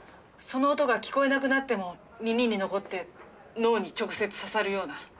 その音が聞こえなくなっても耳に残って脳に直接刺さるような。